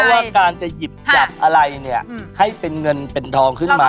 ว่าการจะหยิบจับอะไรเนี่ยให้เป็นเงินเป็นทองขึ้นมา